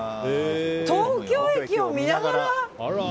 東京駅を見ながら！